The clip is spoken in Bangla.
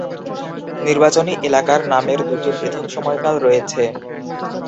নির্বাচনী এলাকার নামের দুটি পৃথক সময়কাল রয়েছে।